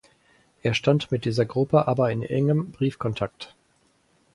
Er stand mit dieser Gruppe aber in engem Briefkontakt.